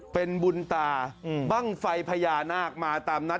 เป็นบุญตาบ้างไฟพญานาคมาตามนัด